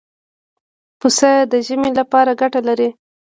پسه د ژمې لپاره ګټه لري.